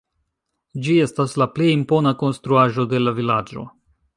Ĝi estas la plej impona konstruaĵo de la vilaĝo.